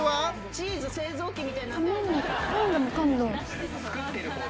チーズ製造機みたいになってる。